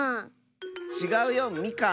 ちがうよみかん！